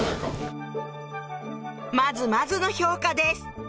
まずまずの評価です